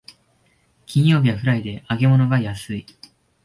金曜日はフライデー、揚げ物が安い